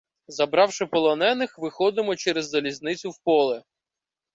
Забравши полонених, виходимо через залізницю в поле.